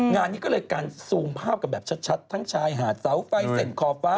งานนี้ก็เลยการซูมภาพกันแบบชัดทั้งชายหาดเสาไฟเส้นขอบฟ้า